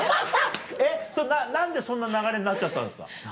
えっ何でそんな流れになっちゃったんですか？